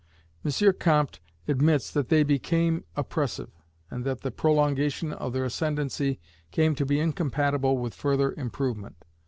M. Comte admits that they became oppressive, and that the prolongation of their ascendancy came to be incompatible with further improvement.